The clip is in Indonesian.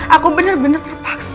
aku bener bener terpaksa